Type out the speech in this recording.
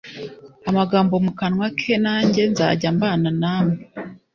amagambo mu kanwa ke nanjye nzajya mbana namwe